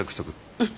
うん。